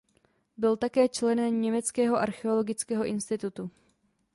Byl také členem Německého archeologického institutu.